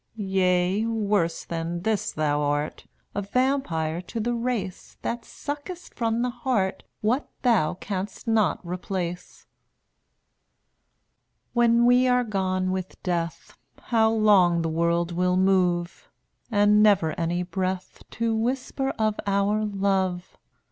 Yea, worse than this thou art, A vampire to the race That suckest from the heart What thou canst not replace. 210 When we are gone with Death, How long the world will move, And never any breath To whisper of our love.